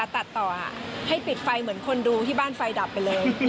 ตัดต่อให้ปิดไฟเหมือนคนดูที่บ้านไฟดับไปเลย